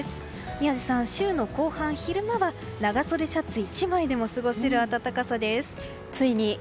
宮司さん、週の後半、昼間は長袖シャツ１枚でも過ごせる暖かさです。